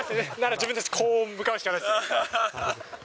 自分たち、こう向かうしかないですね。